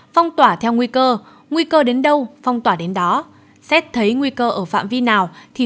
phong tỏa theo nguy cơ nguy cơ đến đâu phong tỏa đến đó xét thấy nguy cơ ở phạm vi nào thì